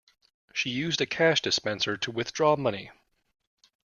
She used a cash dispenser to withdraw money